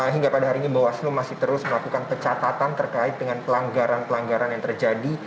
hingga pada hari ini bawaslu masih terus melakukan pencatatan terkait dengan pelanggaran pelanggaran yang terjadi